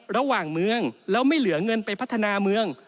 ระหว่างเมืองแล้วไม่เหลือเงินไปพัฒนาเมือง